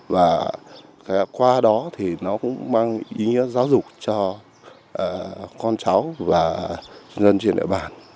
và qua đó thì nó cũng mang ý nghĩa giáo dục cho con cháu và nhân dân trên địa bàn